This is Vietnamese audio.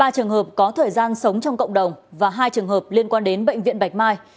ba trường hợp có thời gian sống trong cộng đồng và hai trường hợp liên quan đến bệnh viện bạch mai